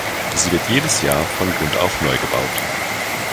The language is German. Sie wird jedes Jahr von Grund auf neu gebaut.